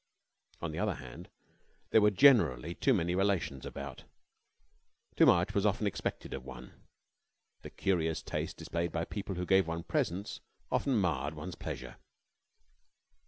On the other hand, there were generally too many relations about, too much was often expected of one, the curious taste displayed by people who gave one presents often marred one's pleasure.